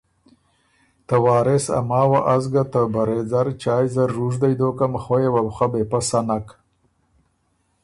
ته وارث ا ماوه از ګه ته برېځر چایٛ زر رُوژدئ دوکم، خویه وه بو خه بې پۀ سَۀ نک